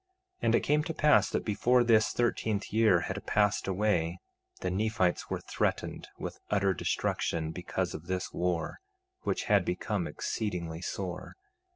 2:13 And it came to pass that before this thirteenth year had passed away the Nephites were threatened with utter destruction because of this war, which had become exceedingly sore.